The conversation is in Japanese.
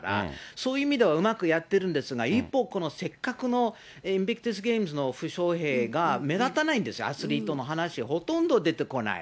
そういう意味ではうまくやってるんですが、一方、せっかくのインビクタス・ゲームの負傷兵が目立たないんです、アスリートの話、ほとんど出てこない。